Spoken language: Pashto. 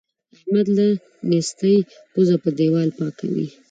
احمد له نېستۍ پزه په دېوال پاکوي.